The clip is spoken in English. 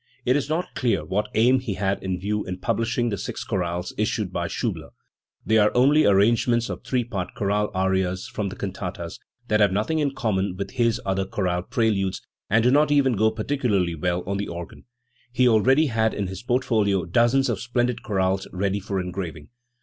It is not clear what aim he had in view in publishing the six chorales issued by Schiibler. They are only ar rangements of three part chorale arias from the cantatas, that have nothing in common with his other chorale pre ludes, and do not even go particularly well on the organ *. He already had in his portfolio dozens of splendid chorales ready for engraving.